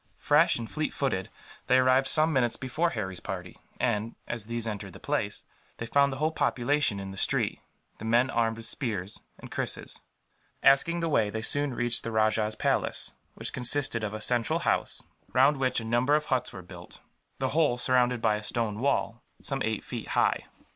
Fresh and fleet footed, they arrived some minutes before Harry's party and, as these entered the place, they found the whole population in the street, the men armed with spears and krises. Asking the way, they soon reached the rajah's palace, which consisted of a central house, round which a number of huts were built; the whole surrounded by a stone wall, some eight feet high.